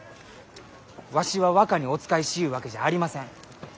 わしは若にお仕えしゆうわけじゃありません。